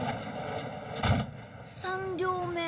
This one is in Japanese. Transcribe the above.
３両目。